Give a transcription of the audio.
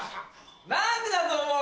何でだと思う？